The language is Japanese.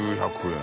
９００円。